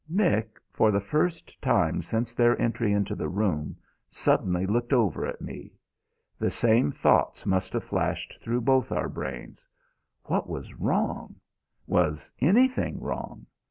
Mick, for the first time since their entry into the room, suddenly looked over at me. The same thoughts must have flashed through both our brains. What was wrong? Was anything wrong?